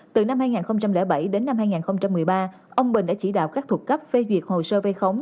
từ năm hai nghìn bảy đến năm hai nghìn một mươi ba ông bình đã chỉ đạo các thuộc cấp phê duyệt hồ sơ vây khống